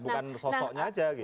bukan sosoknya aja gitu